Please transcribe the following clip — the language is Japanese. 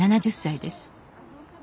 ７０歳です。